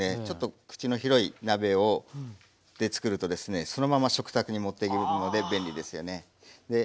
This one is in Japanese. ちょっと口の広い鍋でつくるとですねそのまま食卓に持っていけるので便利ですよね。